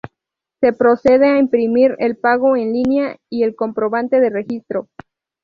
Se procede a imprimir el pago en línea y el comprobante de registro.